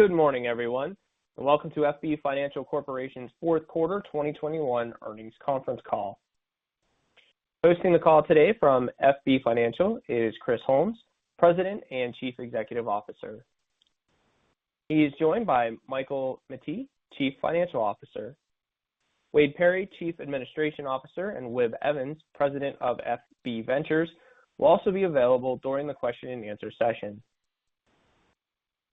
Good morning, everyone, and welcome to FB Financial Corporation's Fourth Quarter 2021 Earnings Conference Call. Hosting the call today from FB Financial is Chris Holmes, President and Chief Executive Officer. He is joined by Michael Mettee, Chief Financial Officer. Wade Peery, Chief Administration Officer, and Wib Evans, President of FB Ventures, will also be available during the question-and-answer session.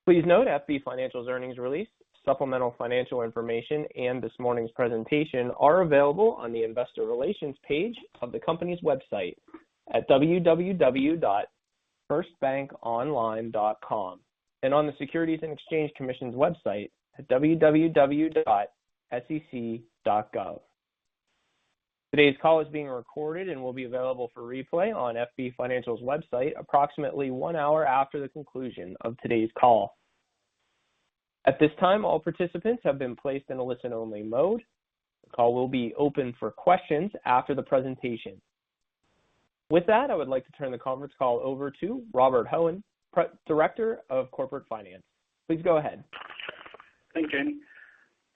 Please note FB Financial's earnings release, supplemental financial information, and this morning's presentation are available on the investor relations page of the company's website at firstbankonline.com and on the Securities and Exchange Commission's website at sec.gov. Today's call is being recorded and will be available for replay on FB Financial's website approximately 1 hour after the conclusion of today's call. At this time, all participants have been placed in a listen-only mode. The call will be open for questions after the presentation. With that, I would like to turn the conference call over to Robert Hoehn, Director of Corporate Finance. Please go ahead. Thank you.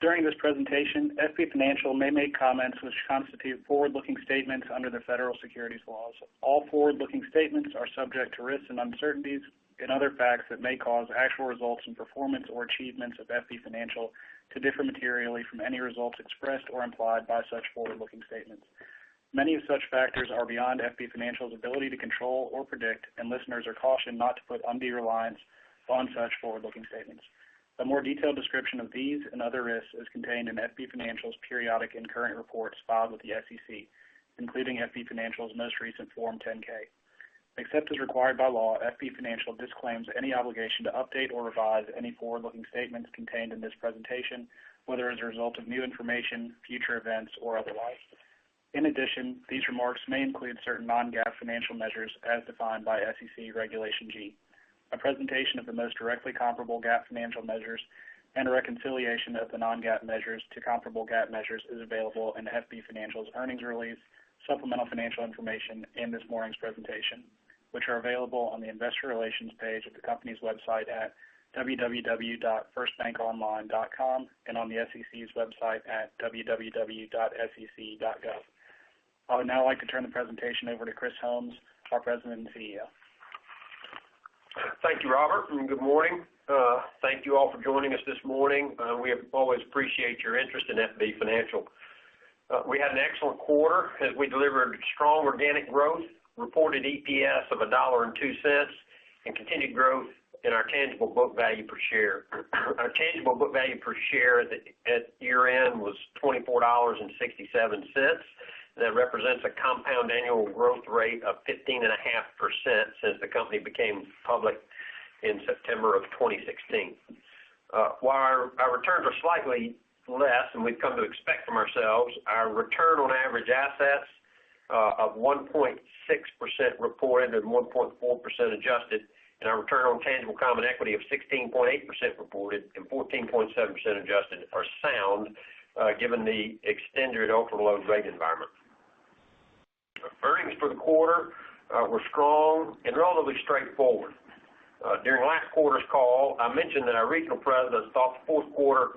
During this presentation, FB Financial may make comments which constitute forward-looking statements under the federal securities laws. All forward-looking statements are subject to risks and uncertainties and other facts that may cause actual results and performance or achievements of FB Financial to differ materially from any results expressed or implied by such forward-looking statements. Many of such factors are beyond FB Financial's ability to control or predict, and listeners are cautioned not to put undue reliance on such forward-looking statements. A more detailed description of these and other risks is contained in FB Financial's periodic and current reports filed with the SEC, including FB Financial's most recent Form 10-K. Except as required by law, FB Financial disclaims any obligation to update or revise any forward-looking statements contained in this presentation, whether as a result of new information, future events or otherwise. In addition, these remarks may include certain non-GAAP financial measures as defined by SEC Regulation G. A presentation of the most directly comparable GAAP financial measures and a reconciliation of the non-GAAP measures to comparable GAAP measures is available in FB Financial's earnings release, supplemental financial information in this morning's presentation, which are available on the investor relations page of the company's website at www.firstbankonline.com and on the SEC's website at www.sec.gov. I would now like to turn the presentation over to Chris Holmes, our President and CEO. Thank you, Robert, and good morning. Thank you all for joining us this morning. We always appreciate your interest in FB Financial. We had an excellent quarter as we delivered strong organic growth, reported EPS of $1.02, and continued growth in our tangible book value per share. Our tangible book value per share at year-end was $24.67. That represents a compound annual growth rate of 15.5% since the company became public in September 2016. While our returns are slightly less than we've come to expect from ourselves, our return on average assets of 1.6% reported and 1.4% adjusted and our return on tangible common equity of 16.8% reported and 14.7% adjusted are sound, given the extended ultra-low rate environment. Earnings for the quarter were strong and relatively straightforward. During last quarter's call, I mentioned that our regional presidents thought the fourth quarter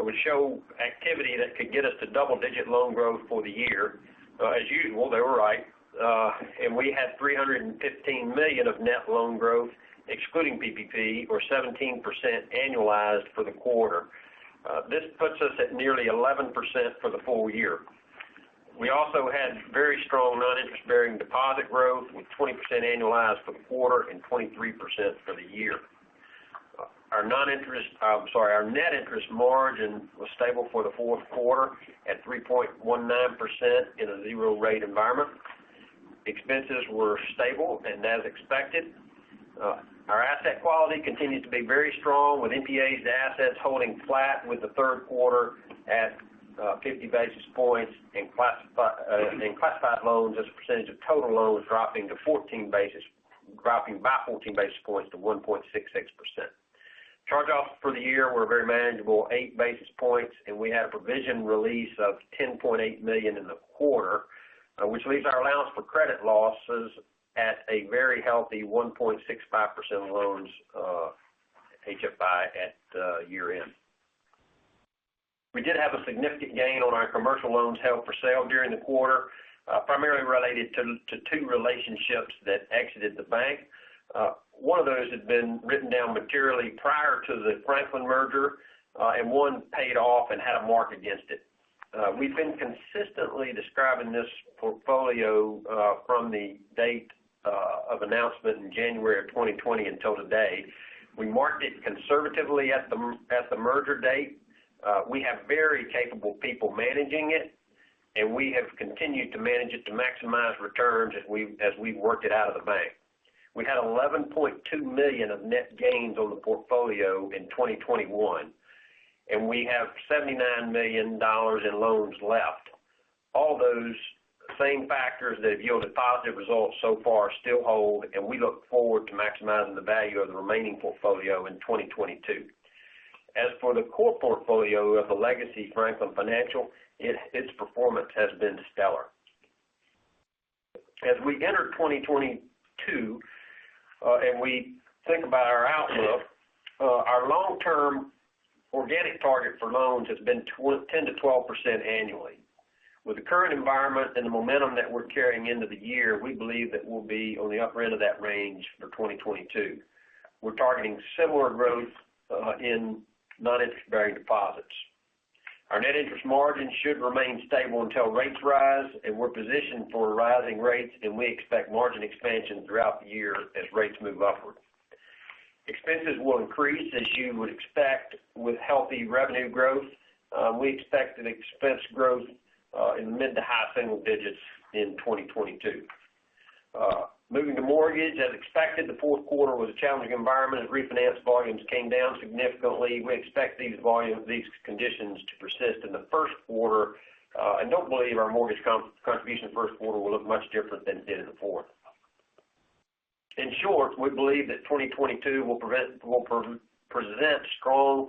would show activity that could get us to double-digit loan growth for the year. As usual, they were right. We had $315 million of net loan growth, excluding PPP, or 17% annualized for the quarter. This puts us at nearly 11% for the full year. We also had very strong non-interest-bearing deposit growth, with 20% annualized for the quarter and 23% for the year. Our net interest margin was stable for the fourth quarter at 3.19% in a zero rate environment. Expenses were stable and as expected. Our asset quality continued to be very strong, with NPAs and assets holding flat with the third quarter at 50 basis points and classified loans as a percentage of total loans dropping by 14 basis points to 1.66%. Charge-offs for the year were a very manageable 8 basis points, and we had a provision release of $10.8 million in the quarter, which leaves our allowance for credit losses at a very healthy 1.65% loans HFI at the year-end. We did have a significant gain on our commercial loans held for sale during the quarter, primarily related to two relationships that exited the bank. One of those had been written down materially prior to the Franklin merger, and one paid off and had a mark against it. We've been consistently describing this portfolio from the date of announcement in January of 2020 until today. We marked it conservatively at the merger date. We have very capable people managing it, and we have continued to manage it to maximize returns as we work it out of the bank. We had $11.2 million of net gains on the portfolio in 2021, and we have $79 million in loans left. All those same factors that have yielded positive results so far still hold, and we look forward to maximizing the value of the remaining portfolio in 2022. As for the core portfolio of the legacy Franklin Financial, its performance has been stellar. As we enter 2022, and we think about our outlook, our long-term organic target for loans has been 10%-12% annually. With the current environment and the momentum that we're carrying into the year, we believe that we'll be on the upper end of that range for 2022. We're targeting similar growth in non-interest bearing deposits. Our net interest margin should remain stable until rates rise, and we're positioned for rising rates, and we expect margin expansion throughout the year as rates move upward. Expenses will increase as you would expect with healthy revenue growth. We expect an expense growth in mid- to high-single digits in 2022. Moving to mortgage, as expected, the fourth quarter was a challenging environment as refinance volumes came down significantly. We expect these volumes, these conditions to persist in the first quarter, and don't believe our mortgage contribution first quarter will look much different than it did in the fourth. In short, we believe that 2022 will present strong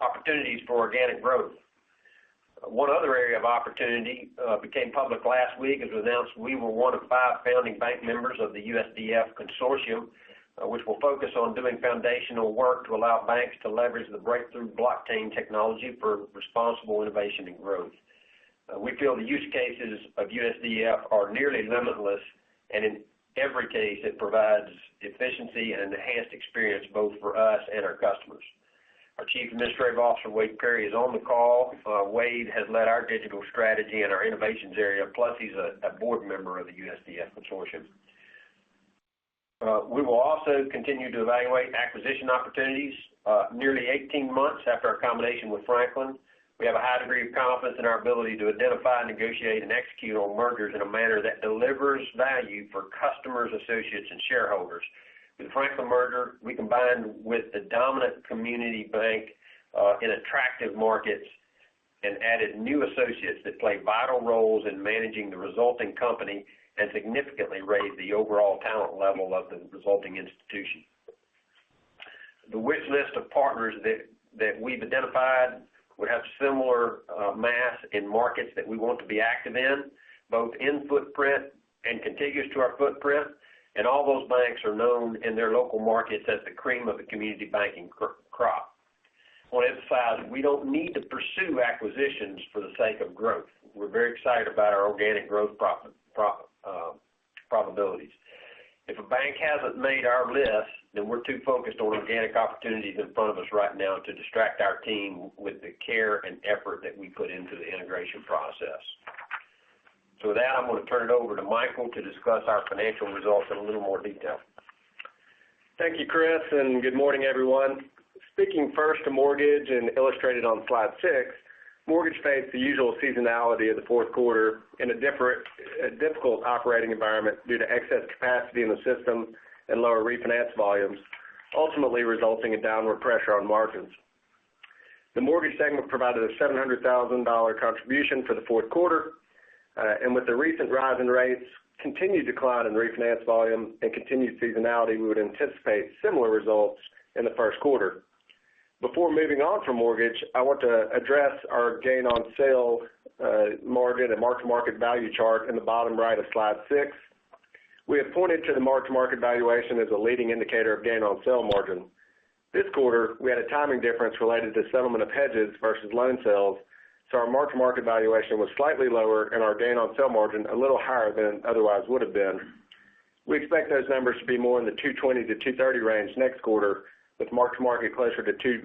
opportunities for organic growth. One other area of opportunity became public last week as we announced we were one of five founding bank members of the USDF Consortium, which will focus on doing foundational work to allow banks to leverage the breakthrough blockchain technology for responsible innovation and growth. We feel the use cases of USDF are nearly limitless, and in every case it provides efficiency and enhanced experience both for us and our customers. Our Chief Administrative Officer, Wade Peery, is on the call. Wade has led our digital strategy and our innovations area, plus he's a board member of the USDF Consortium. We will also continue to evaluate acquisition opportunities nearly 18 months after our combination with Franklin. We have a high degree of confidence in our ability to identify, negotiate, and execute on mergers in a manner that delivers value for customers, associates, and shareholders. With the Franklin merger, we combined with the dominant community bank in attractive markets and added new associates that play vital roles in managing the resulting company and significantly raised the overall talent level of the resulting institution. The wish list of partners that we've identified would have similar mass in markets that we want to be active in, both in footprint and contiguous to our footprint. All those banks are known in their local markets as the cream of the community banking crop. I want to emphasize, we don't need to pursue acquisitions for the sake of growth. We're very excited about our organic growth prospects. If a bank hasn't made our list, then we're too focused on organic opportunities in front of us right now to distract our team with the care and effort that we put into the integration process. With that, I'm gonna turn it over to Michael to discuss our financial results in a little more detail. Thank you, Chris, and good morning, everyone. Speaking first to mortgage and illustrated on slide 6, mortgage faced the usual seasonality of the fourth quarter in a difficult operating environment due to excess capacity in the system and lower refinance volumes, ultimately resulting in downward pressure on margins. The mortgage segment provided a $700,000 contribution for the fourth quarter. With the recent rise in rates, continued decline in refinance volume and continued seasonality, we would anticipate similar results in the first quarter. Before moving on from mortgage, I want to address our gain on sale margin and mark-to-market value chart in the bottom right of slide 6. We have pointed to the mark-to-market valuation as a leading indicator of gain on sale margin. This quarter, we had a timing difference related to settlement of hedges versus loan sales, so our mark-to-market valuation was slightly lower, and our gain on sale margin a little higher than otherwise would have been. We expect those numbers to be more in the 2.20-2.30 range next quarter, with mark-to-market closer to 2.2%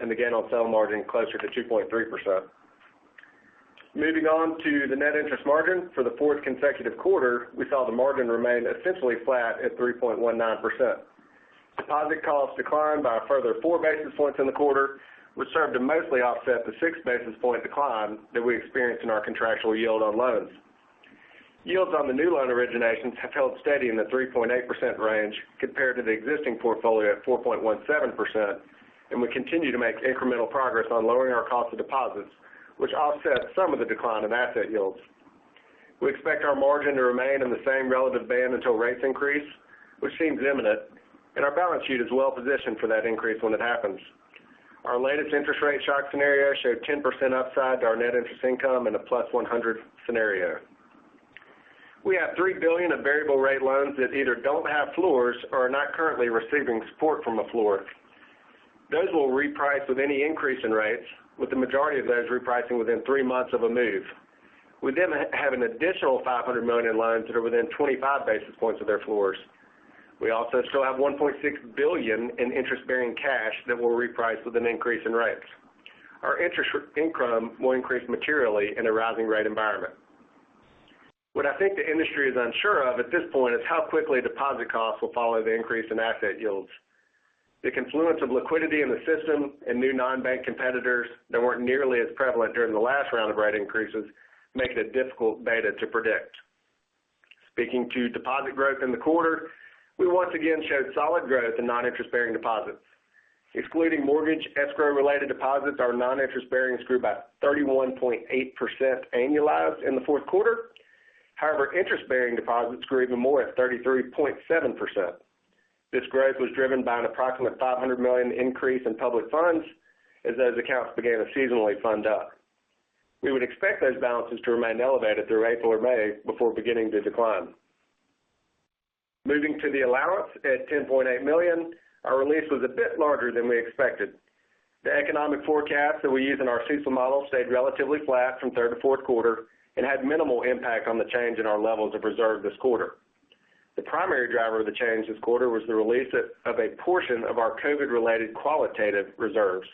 and the gain on sale margin closer to 2.3%. Moving on to the net interest margin. For the fourth consecutive quarter, we saw the margin remain essentially flat at 3.19%. Deposit costs declined by a further 4 basis points in the quarter, which served to mostly offset the 6 basis points decline that we experienced in our contractual yield on loans. Yields on the new loan originations have held steady in the 3.8% range compared to the existing portfolio at 4.17%, and we continue to make incremental progress on lowering our cost of deposits, which offsets some of the decline in asset yields. We expect our margin to remain in the same relative band until rates increase, which seems imminent, and our balance sheet is well positioned for that increase when it happens. Our latest interest rate shock scenario showed 10% upside to our net interest income in a +100 scenario. We have $3 billion of variable rate loans that either don't have floors or are not currently receiving support from a floor. Those will reprice with any increase in rates, with the majority of those repricing within 3 months of a move. We have an additional $500 million in loans that are within 25 basis points of their floors. We also still have $1.6 billion in interest-bearing cash that will reprice with an increase in rates. Our interest income will increase materially in a rising rate environment. What I think the industry is unsure of at this point is how quickly deposit costs will follow the increase in asset yields. The confluence of liquidity in the system and new non-bank competitors that weren't nearly as prevalent during the last round of rate increases make it difficult to predict. Speaking to deposit growth in the quarter, we once again showed solid growth in non-interest bearing deposits. Excluding mortgage escrow related deposits, our non-interest bearings grew by 31.8% annualized in the fourth quarter. However, interest bearing deposits grew even more at 33.7%. This growth was driven by an approximate $500 million increase in public funds as those accounts began to seasonally fund up. We would expect those balances to remain elevated through April or May before beginning to decline. Moving to the allowance at $10.8 million, our release was a bit larger than we expected. The economic forecast that we use in our CECL model stayed relatively flat from third to fourth quarter and had minimal impact on the change in our levels of reserve this quarter. The primary driver of the change this quarter was the release of a portion of our COVID related qualitative reserves.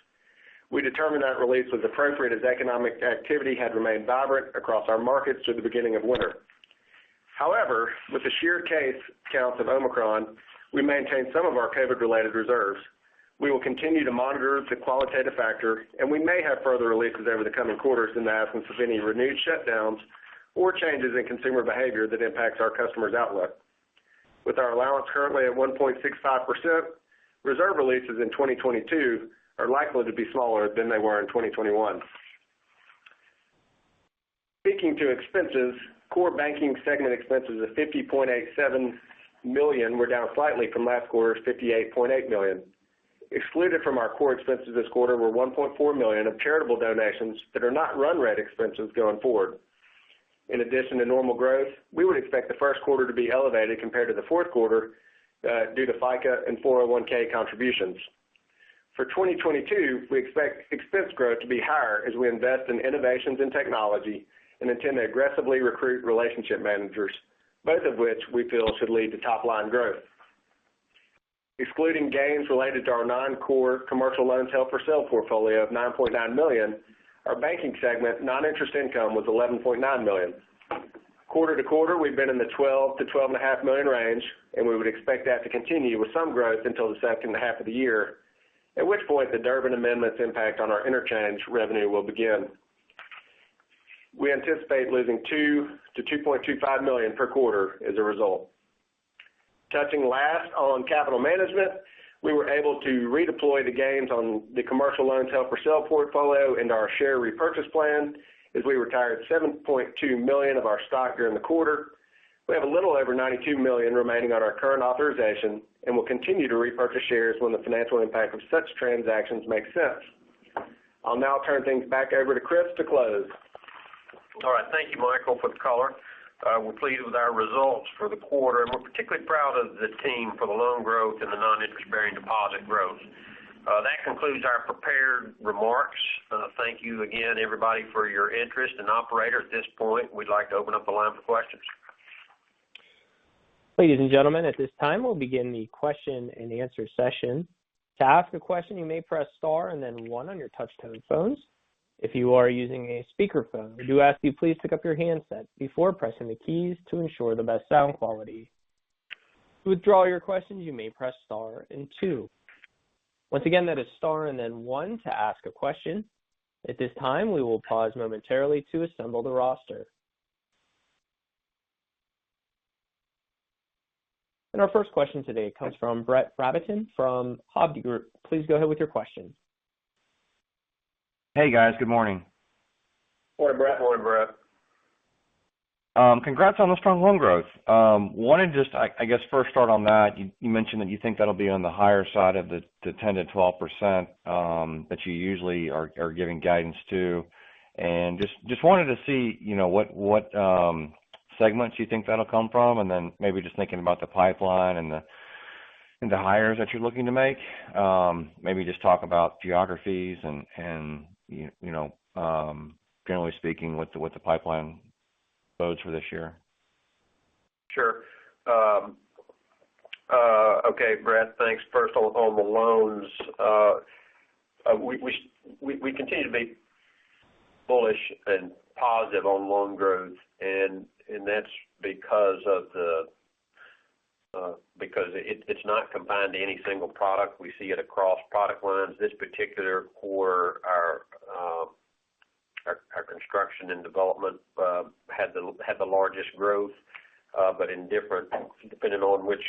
We determined that release was appropriate as economic activity had remained vibrant across our markets through the beginning of winter. However, with the sheer case counts of Omicron, we maintained some of our COVID related reserves. We will continue to monitor the qualitative factor, and we may have further releases over the coming quarters in the absence of any renewed shutdowns or changes in consumer behavior that impacts our customers' outlook. With our allowance currently at 1.65%, reserve releases in 2022 are likely to be smaller than they were in 2021. Speaking to expenses, core banking segment expenses of $50.87 million were down slightly from last quarter's $58.8 million. Excluded from our core expenses this quarter were $1.4 million of charitable donations that are not run rate expenses going forward. In addition to normal growth, we would expect the first quarter to be elevated compared to the fourth quarter due to FICA and 401(k) contributions. For 2022, we expect expense growth to be higher as we invest in innovations in technology and intend to aggressively recruit relationship managers, both of which we feel should lead to top line growth. Excluding gains related to our non-core commercial loans held for sale portfolio of $9.9 million, our banking segment non-interest income was $11.9 million. Quarter to quarter, we've been in the $12-$12.5 million range, and we would expect that to continue with some growth until the second half of the year, at which point the Durbin amendment's impact on our interchange revenue will begin. We anticipate losing $2 million-$2.25 million per quarter as a result. Touching last on capital management, we were able to redeploy the gains on the commercial loans held-for-sale portfolio into our share repurchase plan as we retired 7.2 million of our stock during the quarter. We have a little over $92 million remaining on our current authorization and will continue to repurchase shares when the financial impact of such transactions make sense. I'll now turn things back over to Chris to close. All right. Thank you, Michael, for the color. We're pleased with our results for the quarter, and we're particularly proud of the team for the loan growth and the non-interest bearing deposit growth. That concludes our prepared remarks. Thank you again everybody, for your interest. Operator, at this point, we'd like to open up the line for questions. Ladies and gentlemen, at this time we'll begin the question and answer session. To ask a question, you may press star and then one on your touch tone phones. If you are using a speaker phone, we do ask you please pick up your handset before pressing the keys to ensure the best sound quality. To withdraw your question, you may press star and two. Once again, that is star and then one to ask a question. At this time, we will pause momentarily to assemble the roster. Our first question today comes from Brett Rabatin from Hovde Group. Please go ahead with your question. Hey, guys. Good morning. Morning, Brett. Morning, Brett. Congrats on the strong loan growth. I guess first start on that. You mentioned that you think that'll be on the higher side of the 10%-12% that you usually are giving guidance to. Just wanted to see, you know, what segments you think that'll come from, and then maybe just thinking about the pipeline and the hires that you're looking to make. Maybe just talk about geographies and you know, generally speaking, what the pipeline bodes for this year. Sure. Okay, Brett, thanks. First on the loans. We continue to be bullish and positive on loan growth, and that's because it's not confined to any single product. We see it across product lines. This particular quarter our construction and development had the largest growth, but depending on which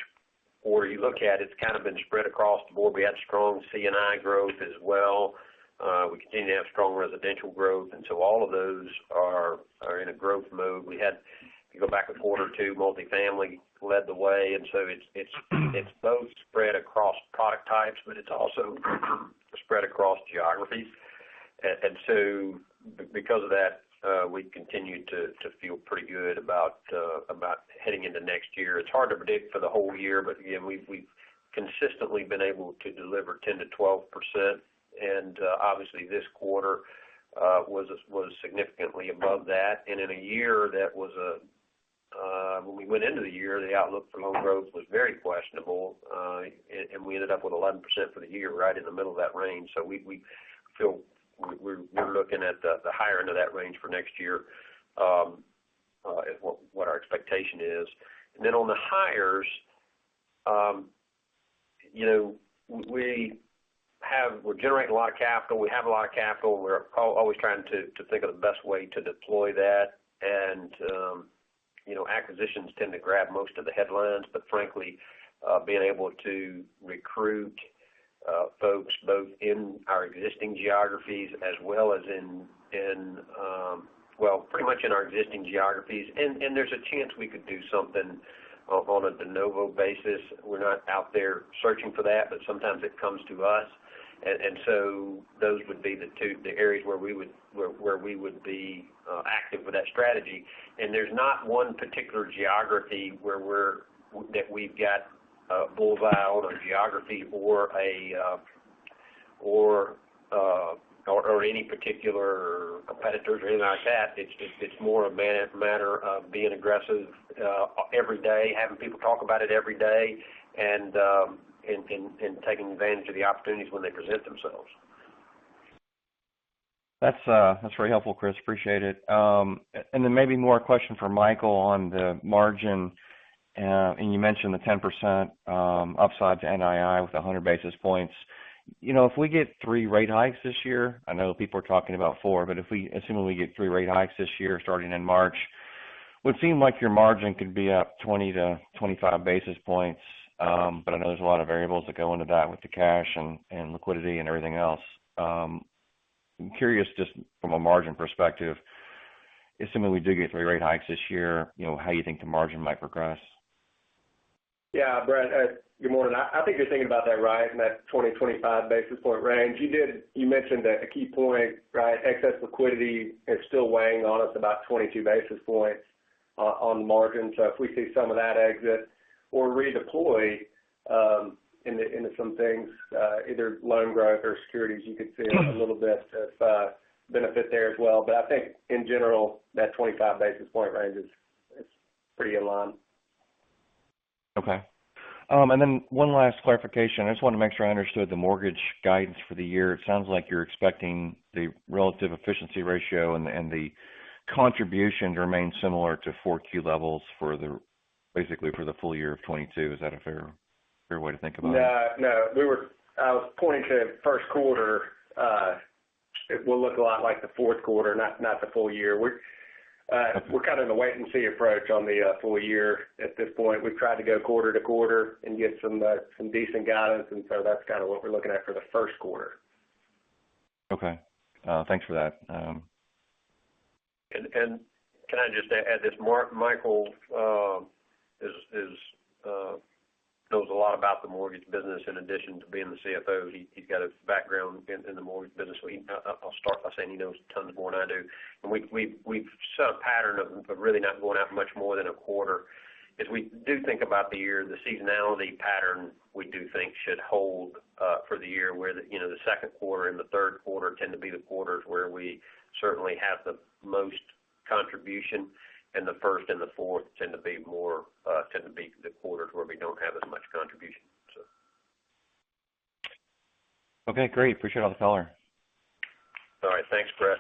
quarter you look at, it's kind of been spread across the board. We had strong C&I growth as well. We continue to have strong residential growth, and all of those are in a growth mode. If you go back a quarter or two, multifamily led the way. It's both spread across product types, but it's also spread across geographies. Because of that, we continue to feel pretty good about heading into next year. It's hard to predict for the whole year, but again, we've consistently been able to deliver 10%-12%. Obviously this quarter was significantly above that. In a year when we went into the year, the outlook for loan growth was very questionable, and we ended up with 11% for the year, right in the middle of that range. We feel we're looking at the higher end of that range for next year, what our expectation is. On the hires, you know, we're generating a lot of capital. We have a lot of capital. We're always trying to think of the best way to deploy that. You know, acquisitions tend to grab most of the headlines, but frankly, being able to recruit folks both in our existing geographies as well as, well, pretty much in our existing geographies. There's a chance we could do something on a de novo basis. We're not out there searching for that, but sometimes it comes to us. Those would be the two areas where we would be active with that strategy. There's not one particular geography where we've got bullseye on a geography or any particular competitors or anything like that. It's more a matter of being aggressive every day, having people talk about it every day, and taking advantage of the opportunities when they present themselves. That's very helpful, Chris. Appreciate it. Maybe more a question for Michael on the margin. You mentioned the 10% upside to NII with 100 basis points. You know, if we get 3 rate hikes this year, I know people are talking about 4, but assuming we get 3 rate hikes this year, starting in March, it would seem like your margin could be up 20-25 basis points. But I know there's a lot of variables that go into that with the cash and liquidity and everything else. I'm curious just from a margin perspective, assuming we do get 3 rate hikes this year, you know, how you think the margin might progress? Yeah. Brett, good morning. I think you're thinking about that right in that 25 basis point range. You mentioned a key point, right? Excess liquidity is still weighing on us about 22 basis points on the margin. If we see some of that exit or redeploy into some things, either loan growth or securities, you could see a little bit of benefit there as well. I think in general, that 25 basis point range is pretty in line. Okay. And then one last clarification. I just want to make sure I understood the mortgage guidance for the year. It sounds like you're expecting the relative efficiency ratio and the contribution to remain similar to 4Q levels for basically the full year of 2022. Is that a fair way to think about it? No, no. I was pointing to first quarter. It will look a lot like the fourth quarter, not the full year. We're kind of in the wait and see approach on the full year at this point. We've tried to go quarter to quarter and get some decent guidance, and so that's kind of what we're looking at for the first quarter. Okay. Thanks for that. Can I just add this? Michael knows a lot about the mortgage business in addition to being the CFO. He's got a background in the mortgage business, so I'll start by saying he knows tons more than I do. We've set a pattern of really not going out much more than a quarter. As we do think about the year, the seasonality pattern we do think should hold for the year where, you know, the second quarter and the third quarter tend to be the quarters where we certainly have the most contribution. The first and the fourth tend to be the quarters where we don't have as much contribution, so. Okay, great. Appreciate all the color. All right. Thanks, Brett.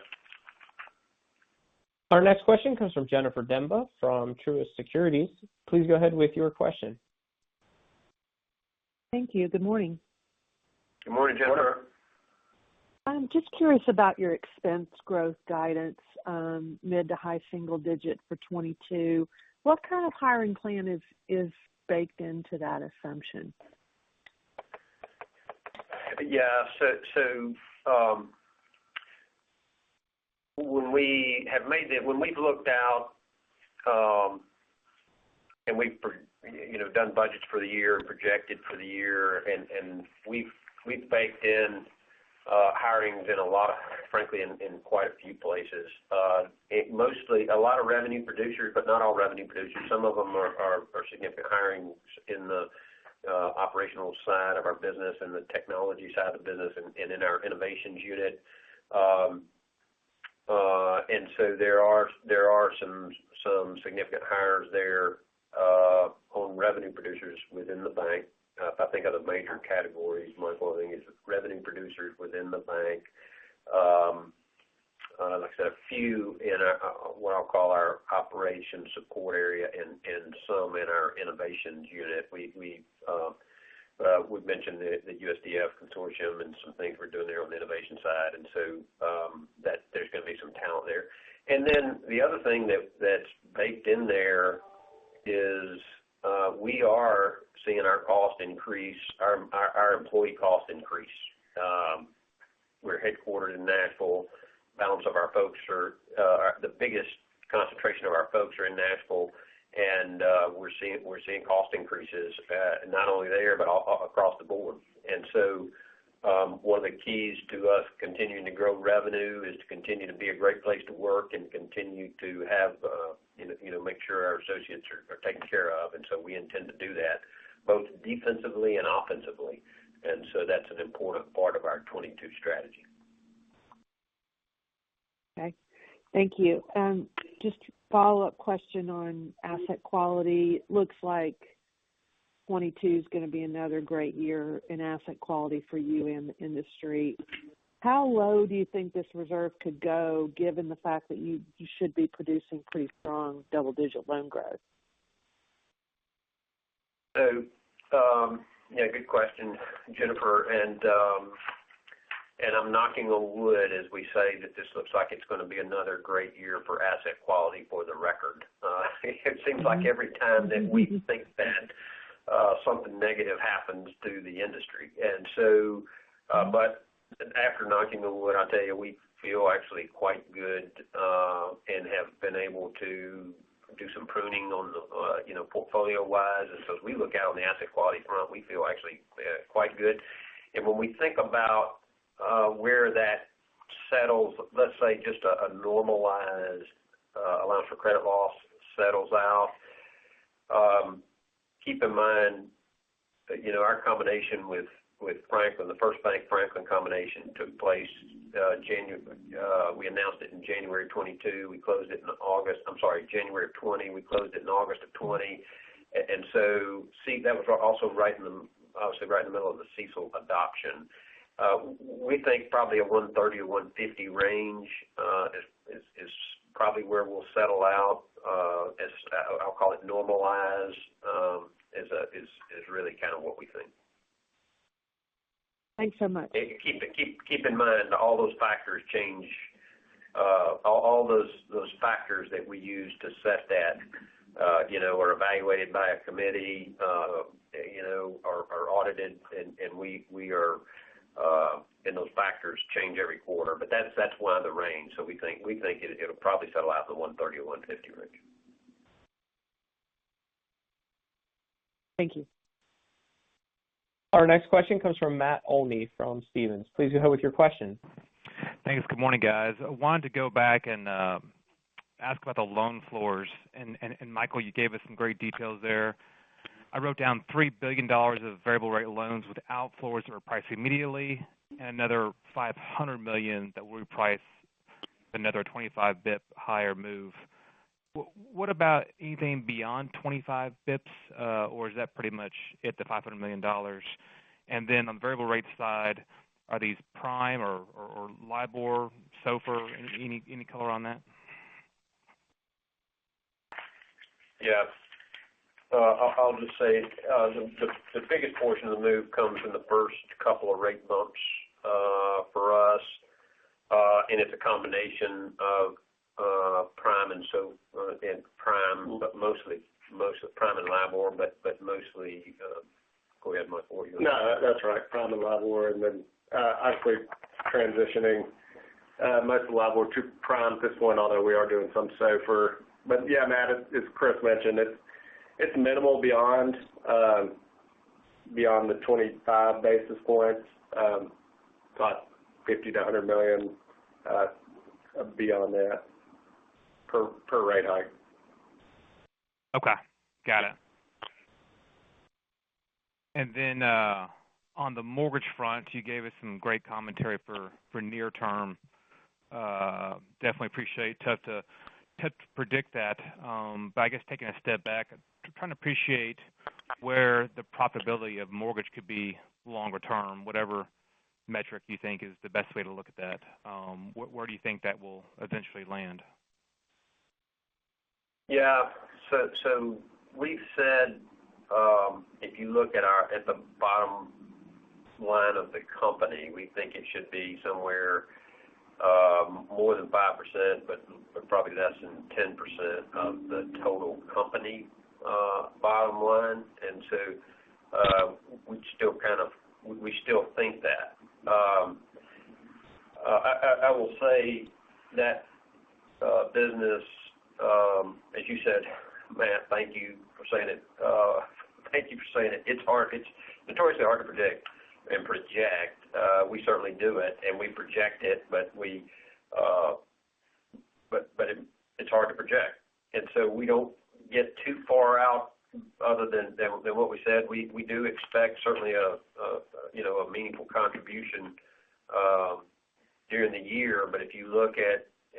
Our next question comes from Jennifer Demba from Truist Securities. Please go ahead with your question. Thank you. Good morning. Good morning, Jennifer. I'm just curious about your expense growth guidance, mid- to high-single-digit % for 2022. What kind of hiring plan is baked into that assumption? Yeah, when we've looked out and we've you know done budgets for the year and projected for the year and we've baked in hiring in a lot of frankly in quite a few places. It's mostly a lot of revenue producers, but not all revenue producers. Some of them are significant hirings in the operational side of our business and the technology side of the business and in our innovations unit. There are some significant hires there of revenue producers within the bank. If I think of the major categories, mainly revenue producers within the bank. Like I said, a few in what I'll call our operations support area and some in our innovations unit. We've mentioned the USDF Consortium and some things we're doing there on the innovation side. There's gonna be some talent there. The other thing that's baked in there is we are seeing our cost increase, our employee costs increase. We're headquartered in Nashville. The balance of our folks are the biggest concentration of our folks in Nashville, and we're seeing cost increases not only there but across the board. One of the keys to us continuing to grow revenue is to continue to be a great place to work and continue to have you know make sure our associates are taken care of. We intend to do that both defensively and offensively. That's an important part of our 2022 strategy. Okay. Thank you. Just a follow-up question on asset quality. Looks like 2022 is gonna be another great year in asset quality for you in the industry. How low do you think this reserve could go given the fact that you should be producing pretty strong double-digit loan growth? Yeah, good question, Jennifer. I'm knocking on wood as we say that this looks like it's gonna be another great year for asset quality for the record. It seems like every time that we think that, something negative happens to the industry. After knocking on wood, I'll tell you, we feel actually quite good and have been able to do some pruning on the portfolio-wise. As we look out on the asset quality front, we feel actually quite good. When we think about where that settles, let's say a normalized allowance for credit loss settles out, keep in mind our combination with Franklin, the FirstBank Franklin combination took place. We announced it in January of 2022. We closed it in August... I'm sorry, January of 2020. We closed it in August of 2020. See, that was also obviously right in the middle of the CECL adoption. We think probably a 130 or 150 range is probably where we'll settle out, as I'll call it normalize, is really kinda what we think. Thanks so much. Keep in mind all those factors change. All those factors that we use to set that, you know, are evaluated by a committee, you know, are audited and we are and those factors change every quarter. That's why the range. We think it'll probably settle out to the $130-$150 range. Thank you. Our next question comes from Matt Olney from Stephens. Please go ahead with your question. Thanks. Good morning, guys. I wanted to go back and ask about the loan floors. Michael, you gave us some great details there. I wrote down $3 billion of variable rate loans without floors that were priced immediately, and another $500 million that we price another 25 basis points higher move. What about anything beyond 25 basis points, or is that pretty much it, the $500 million? Then on the variable rate side, are these Prime or LIBOR, SOFR? Any color on that? Yeah. I'll just say the biggest portion of the move comes in the first couple of rate bumps for us. It's a combination of Prime and SOFR, but mostly Prime and LIBOR. Go ahead, Michael, you wanna- No, that's right. Prime and LIBOR. Actually transitioning most of LIBOR to Prime at this point, although we are doing some SOFR. Yeah, Matt, as Chris mentioned, it's minimal beyond the 25 basis points. About $50 million-$100 million beyond that per rate hike. Okay. Got it. On the mortgage front, you gave us some great commentary for near term. Definitely appreciate. Tough to predict that. I guess taking a step back, trying to appreciate where the profitability of mortgage could be longer term, whatever metric you think is the best way to look at that. Where do you think that will eventually land? We've said if you look at the bottom line of the company, we think it should be somewhere more than 5%, but probably less than 10% of the total company bottom line. We still think that. I will say that business as you said, Matt, thank you for saying it. Thank you for saying it. It's hard. It's notoriously hard to predict and project. We certainly do it and we project it, but it is hard to project. We don't get too far out other than what we said. We do expect certainly you know a meaningful contribution during the year. If you look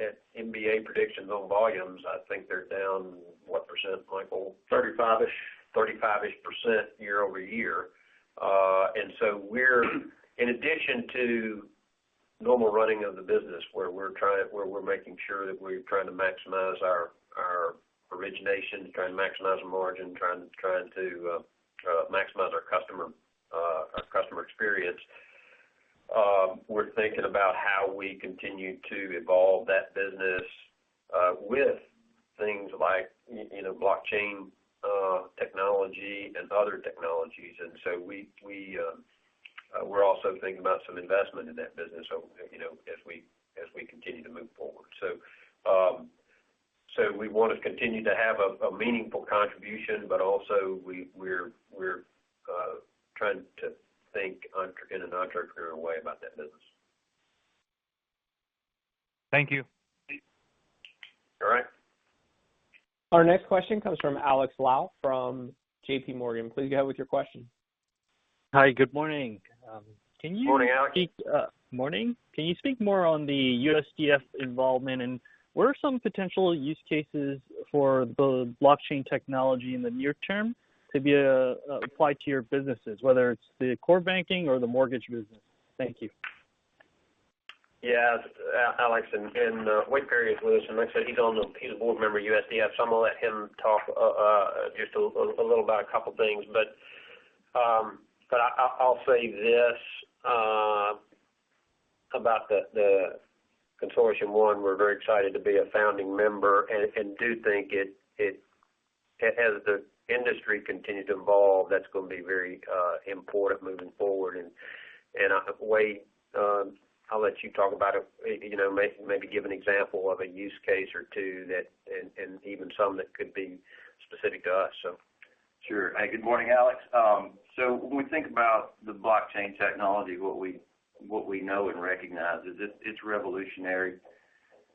at MBA predictions on volumes, I think they're down what percent, Michael? 35-ish. 35-ish% year-over-year. In addition to normal running of the business where we're making sure that we're trying to maximize our origination, trying to maximize the margin, trying to maximize our customer experience, we're thinking about how we continue to evolve that business with things like, you know, blockchain technology and other technologies. We're also thinking about some investment in that business over, you know, as we continue to move forward. We wanna continue to have a meaningful contribution, but also we're trying to think in an entrepreneurial way about that business. Thank you. All right. Our next question comes from Alex Lau from JPMorgan. Please go ahead with your question. Hi. Good morning. Morning, Alex. Morning. Can you speak more on the USDF involvement, and what are some potential use cases for the blockchain technology in the near term to be applied to your businesses, whether it's the core banking or the mortgage business? Thank you. Yeah. Alex, Wade Peery is with us, and like I said, he's a board member at USDF, so I'm gonna let him talk just a little about a couple things. I'll say this about the USDF Consortium. We're very excited to be a founding member and do think it. As the industry continues to evolve, that's gonna be very important moving forward. Wade, I'll let you talk about it. You know, maybe give an example of a use case or two and even some that could be specific to us. Sure. Hey, good morning, Alex. When we think about the blockchain technology, what we know and recognize is it's revolutionary,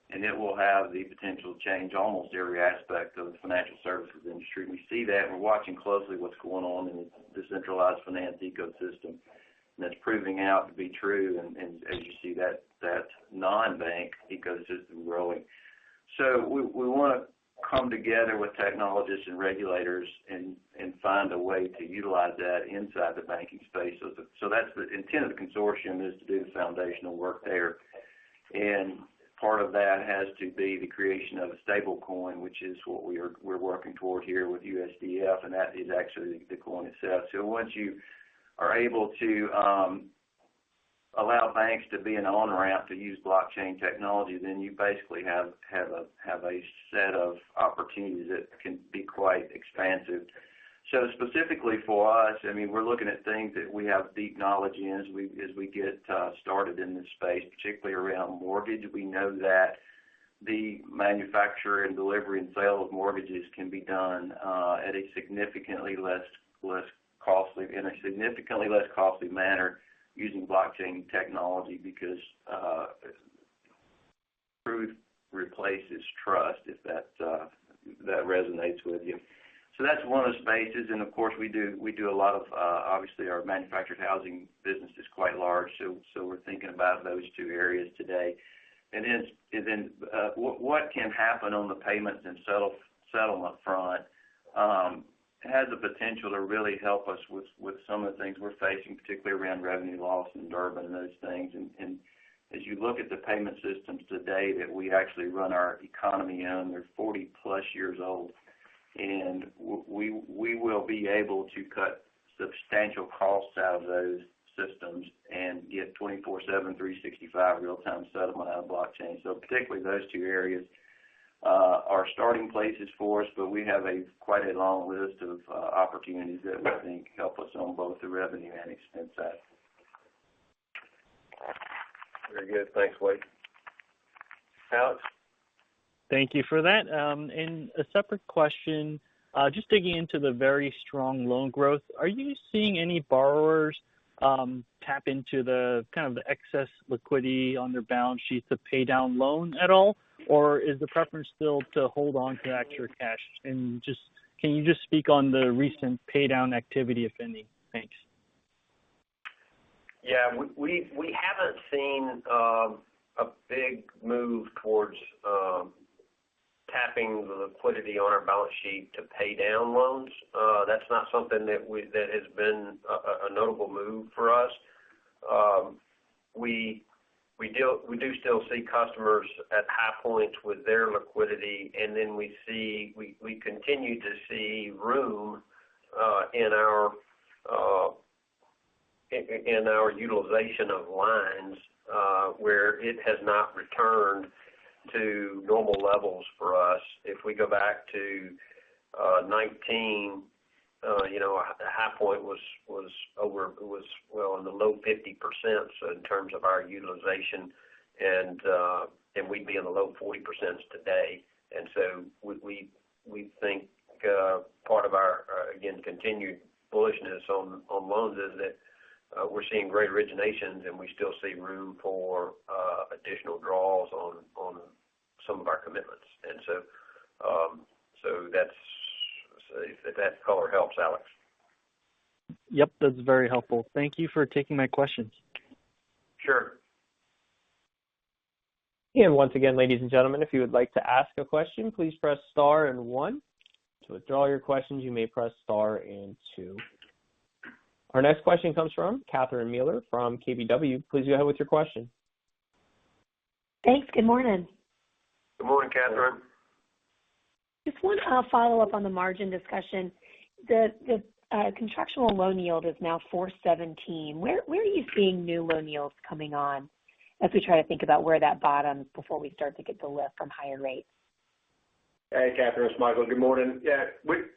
and it will have the potential to change almost every aspect of the financial services industry. We see that, and we're watching closely what's going on in the decentralized finance ecosystem, and it's proving out to be true. As you see that non-bank ecosystem growing. We wanna come together with technologists and regulators and find a way to utilize that inside the banking space. That's the intent of the consortium, to do the foundational work there. Part of that has to be the creation of a stablecoin, which is what we're working toward here with USDF, and that is actually the coin itself. Once you are able to allow banks to be an on-ramp to use blockchain technology, then you basically have a set of opportunities that can be quite expansive. Specifically for us, I mean, we're looking at things that we have deep knowledge in as we get started in this space, particularly around mortgage. We know that the manufacture and delivery and sale of mortgages can be done in a significantly less costly manner using blockchain technology because proof replaces trust, if that resonates with you. That's one of the spaces, and of course, obviously, our manufactured housing business is quite large, so we're thinking about those two areas today. What can happen on the payments and settlement front has the potential to really help us with some of the things we're facing, particularly around revenue loss in Durbin and those things. As you look at the payment systems today that we actually run our economy on, they're 40+ years old, and we will be able to cut substantial costs out of those systems and get 24/7, 365 real-time settlement out of blockchain. Particularly those two areas are starting places for us, but we have quite a long list of opportunities that we think help us on both the revenue and expense side. Very good. Thanks, Wade. Alex? Thank you for that. A separate question, just digging into the very strong loan growth, are you seeing any borrowers tap into the kind of the excess liquidity on their balance sheets to pay down loans at all? Is the preference still to hold on to that extra cash? Can you just speak on the recent pay down activity, if any? Thanks. Yeah. We haven't seen a big move towards tapping the liquidity on our balance sheet to pay down loans. That's not something that has been a notable move for us. We do still see customers at high points with their liquidity, and then we continue to see room in our utilization of lines where it has not returned to normal levels for us. If we go back to 2019, you know, a high point was well in the low 50% in terms of our utilization, and we'd be in the low 40% today. We think part of our again continued bullishness on loans is that we're seeing great originations, and we still see room for additional draws on some of our commitments. That's. Let's see if that color helps, Alex. Yep. That's very helpful. Thank you for taking my questions. Sure. Once again, ladies and gentlemen, if you would like to ask a question, please press star and one. To withdraw your questions, you may press star and two. Our next question comes from Catherine Mealor from KBW. Please go ahead with your question. Thanks. Good morning. Good morning, Catherine. Just one follow-up on the margin discussion. The contractual loan yield is now 4.17%. Where are you seeing new loan yields coming on as we try to think about where that bottoms before we start to get the lift from higher rates? Hey, Catherine, it's Michael. Good morning. Yeah,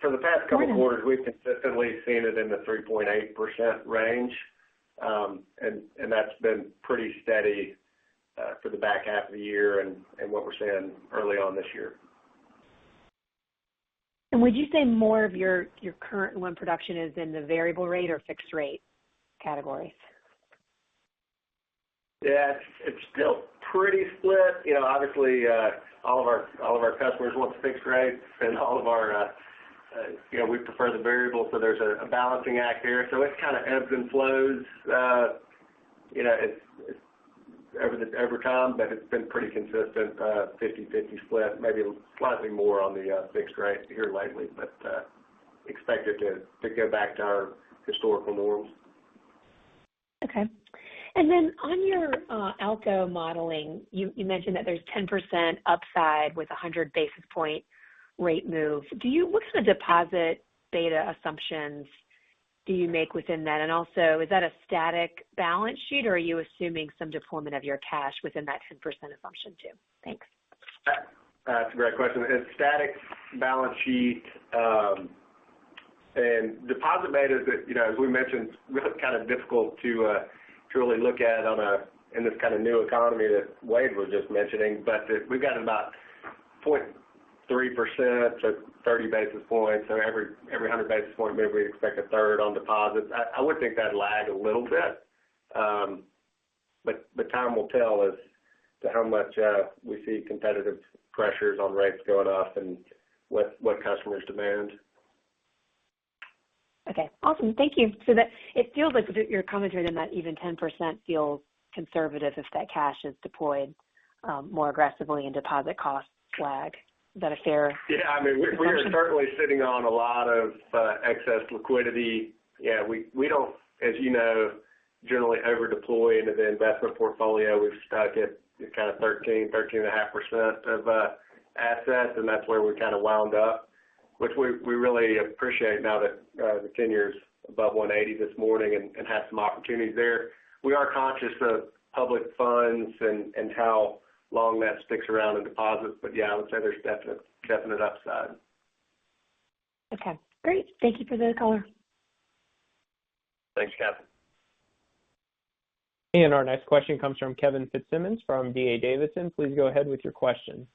for the past couple of quarters, we've consistently seen it in the 3.8% range. That's been pretty steady for the back half of the year and what we're seeing early on this year. Would you say more of your current loan production is in the variable rate or fixed rate categories? Yeah. It's still pretty split. You know, obviously, all of our customers want the fixed rate, and all of our, you know, we prefer the variable, so there's a balancing act here. It kind of ebbs and flows, you know, it's over time, but it's been pretty consistent, 50-50 split, maybe slightly more on the fixed rate here lately, but expect it to go back to our historical norms. Okay. On your ALCO modeling, you mentioned that there's 10% upside with a 100 basis point rate move. What's the deposit beta assumptions do you make within that? And also, is that a static balance sheet or are you assuming some deployment of your cash within that 10% assumption too? Thanks. That's a great question. It's static balance sheet, and deposit beta is, you know, as we mentioned, really kind of difficult to truly look at in this kind of new economy that Wade was just mentioning. We've got about 0.3%, so 30 basis points. Every 100 basis points, maybe we expect a third on deposits. I would think that'd lag a little bit. The time will tell as to how much we see competitive pressures on rates going up and what customers demand. Okay, awesome. Thank you. That it feels like with your commentary then that even 10% feels conservative if that cash is deployed, more aggressively and deposit costs lag. Is that a fair assumption? Yeah, I mean, we're certainly sitting on a lot of excess liquidity. Yeah, we don't, as you know, generally over deploy into the investment portfolio. We've stuck at kind of 13.5% of assets, and that's where we've kind of wound up, which we really appreciate now that the 10-year is above 1.80 this morning and have some opportunities there. We are conscious of public funds and how long that sticks around in deposits. Yeah, I would say there's definite upside. Okay, great. Thank you for the color. Thanks, Cathy. Our next question comes from Kevin Fitzsimmons from D.A. Davidson. Please go ahead with your question.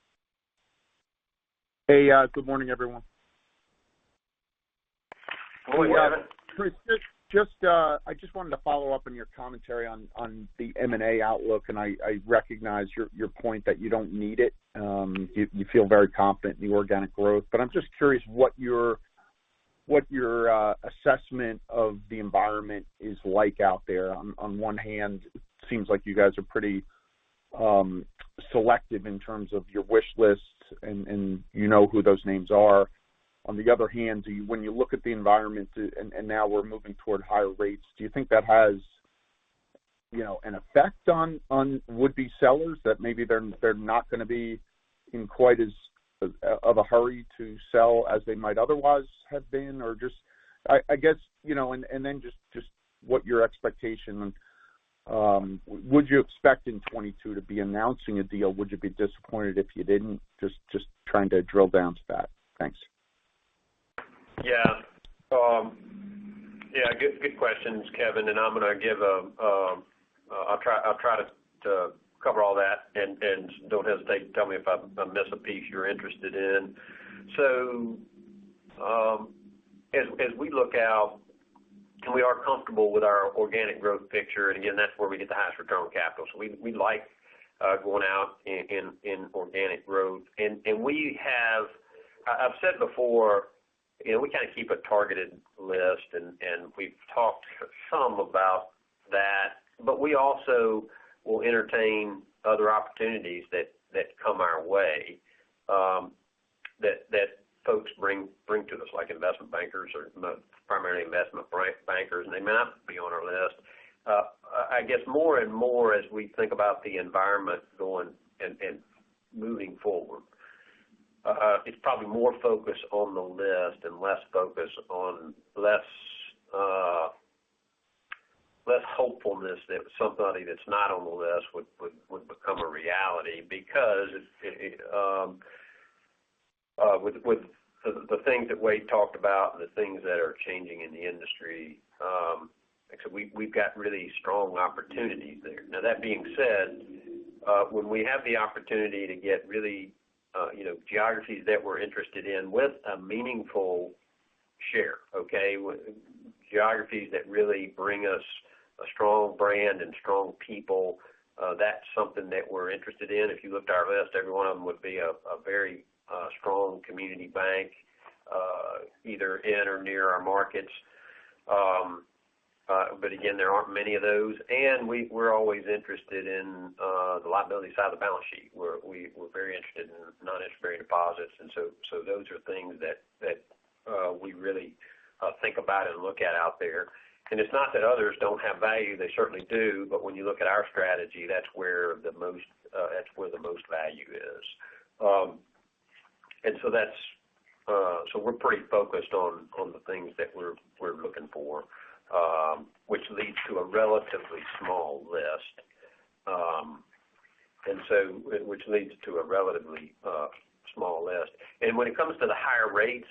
Hey, good morning, everyone. Morning, Kevin. Chris, I just wanted to follow up on your commentary on the M&A outlook, and I recognize your point that you don't need it. You feel very confident in the organic growth. I'm just curious what your assessment of the environment is like out there. On one hand it seems like you guys are pretty selective in terms of your wish list and you know who those names are. On the other hand, when you look at the environment and now we're moving toward higher rates, do you think that has you know an effect on would-be sellers that maybe they're not gonna be in quite as much of a hurry to sell as they might otherwise have been? Or just. I guess, you know, and then just what your expectation, would you expect in 2022 to be announcing a deal? Would you be disappointed if you didn't? Just trying to drill down to that. Thanks. Good questions, Kevin, and I'll try to cover all that and don't hesitate to tell me if I miss a piece you're interested in. As we look out and we are comfortable with our organic growth picture, and again, that's where we get the highest return on capital. We like going out in organic growth. I've said before, you know, we kind of keep a targeted list and we've talked some about that, but we also will entertain other opportunities that come our way, that folks bring to us, like investment bankers or primarily investment bankers, and they may not be on our list. I guess more and more as we think about the environment going and moving forward, it's probably more focused on the list and less focused on less hopefulness that somebody that's not on the list would become a reality because with the things that Wade talked about, the things that are changing in the industry, like I said, we've got really strong opportunities there. Now, that being said, when we have the opportunity to get really, you know, geographies that we're interested in with a meaningful share, okay? Geographies that really bring us a strong brand and strong people, that's something that we're interested in. If you looked at our list, every one of them would be a very strong community bank, either in or near our markets. Again, there aren't many of those. We're always interested in the liability side of the balance sheet. We're very interested in non-interest bearing deposits, so those are things that we really think about and look at out there. It's not that others don't have value, they certainly do, but when you look at our strategy, that's where the most value is. We're pretty focused on the things that we're looking for, which leads to a relatively small list. When it comes to the higher rates,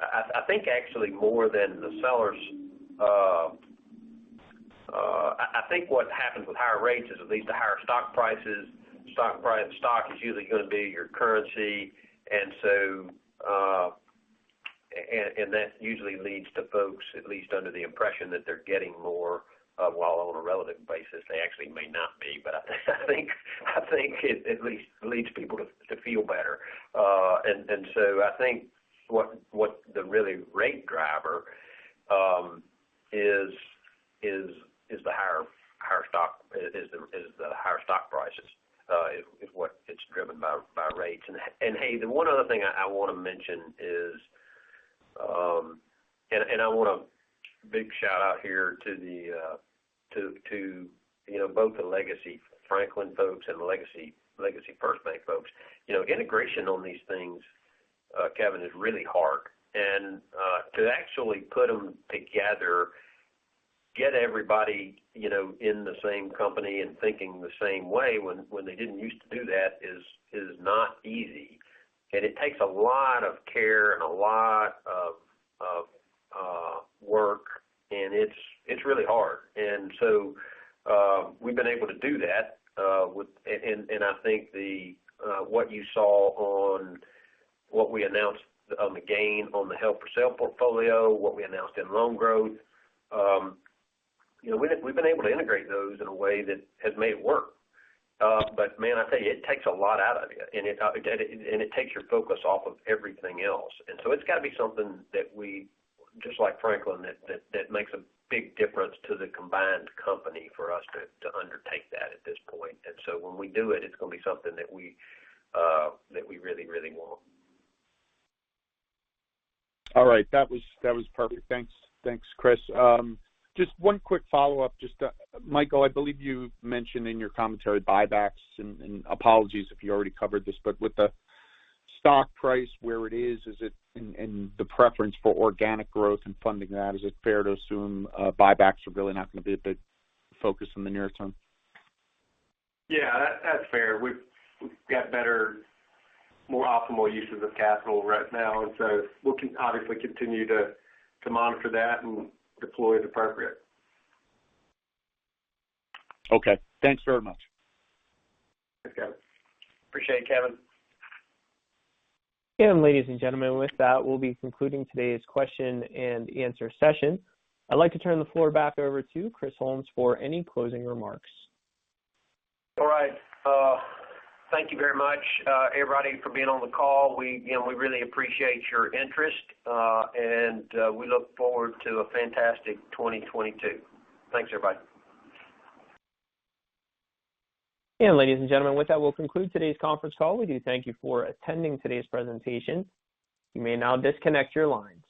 I think actually more than the sellers, I think what happens with higher rates is it leads to higher stock prices. Stock is usually gonna be your currency. That usually leads to folks at least under the impression that they're getting more, while on a relative basis, they actually may not be. I think it at least leads people to feel better. I think what the real rate driver is the higher stock prices is what it's driven by rates. Hey, the one other thing I wanna mention is I wanna big shout out here to you know both the Legacy Franklin folks and the Legacy FirstBank folks. You know, integration on these things, Kevin, is really hard. To actually put them together, get everybody, you know, in the same company and thinking the same way when they didn't used to do that is not easy. It takes a lot of care and a lot of work, and it's really hard. We've been able to do that, and I think what you saw on what we announced on the gain on the held-for-sale portfolio, what we announced in loan growth, you know, we've been able to integrate those in a way that has made it work. But man, I tell you, it takes a lot out of you. It takes your focus off of everything else. It's gotta be something that we just like Franklin that makes a big difference to the combined company for us to undertake that at this point. When we do it's gonna be something that we that we really want. All right. That was perfect. Thanks. Thanks, Chris. Just one quick follow-up. Michael, I believe you mentioned in your commentary buybacks, and apologies if you already covered this. With the stock price where it is it and the preference for organic growth and funding that, is it fair to assume buybacks are really not gonna be a big focus in the near term? Yeah, that's fair. We've got better, more optimal uses of capital right now. We'll obviously continue to monitor that and deploy as appropriate. Okay. Thanks very much. Thanks, Kevin. Appreciate it, Kevin. Ladies and gentlemen, with that, we'll be concluding today's question-and-answer session. I'd like to turn the floor back over to Chris Holmes for any closing remarks. All right. Thank you very much, everybody for being on the call. We, you know, we really appreciate your interest, and we look forward to a fantastic 2022. Thanks, everybody. Ladies and gentlemen, with that, we'll conclude today's conference call. We do thank you for attending today's presentation. You may now disconnect your lines.